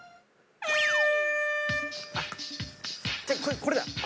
これだ。